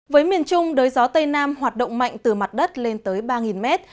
với miền trung đới gió tây nam hoạt động mạnh từ mặt đất lên tới ba mét